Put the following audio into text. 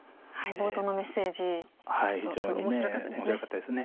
冒頭のメッセージちょっと面白かったですね。